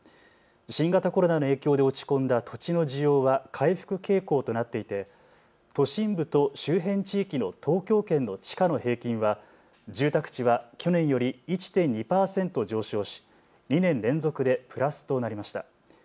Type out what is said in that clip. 新型コロナの影響で落ち込んだ土地の需要は回復傾向となっていて都心部と周辺地域の東京圏の地価の平均は住宅地は去年より１．２％上昇し、２年連続でプラスとなりました。